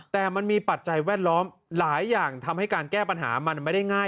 แต่มันมีปัจจัยแวดล้อมหลายอย่างทำให้การแก้ปัญหามันไม่ได้ง่าย